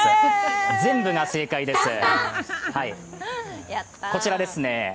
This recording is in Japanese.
全部が正解です、こちらですね。